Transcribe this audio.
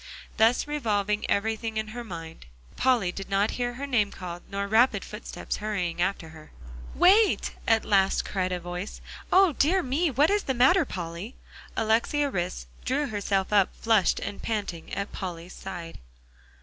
Thus revolving everything in her mind, Polly did not hear her name called, nor rapid footsteps hurrying after. "Wait!" at last cried a voice; "O, dear me! what is the matter, Polly?" Alexia Rhys drew herself up flushed and panting at Polly's side.